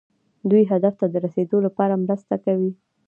دوی هدف ته د رسیدو لپاره مرسته کوي.